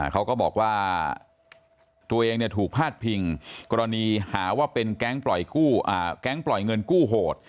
เขาก็บอกว่าตัวเองถูกพาดพิงกรณีหาว่าเป็นแก๊งปล่อยเงินกู้โหด